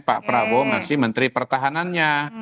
pak prabowo masih menteri pertahanannya